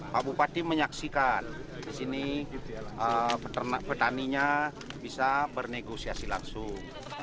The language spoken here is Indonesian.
kabupaten menyaksikan disini petaninya bisa bernegosiasi langsung